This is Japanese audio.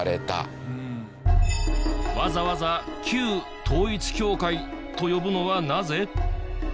わざわざ旧統一教会と呼ぶのはなぜ？